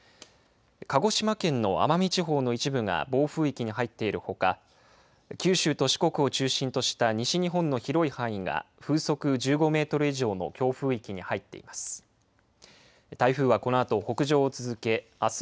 鹿児島県の奄美地方の一部が暴風域に入っているほか九州と四国を中心とした西日本の広い範囲が風速１５メートル以上の強風域に入っています。